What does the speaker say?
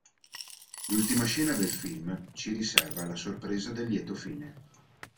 L'ultima scena del film ci riserva la sorpresa del lieto fine.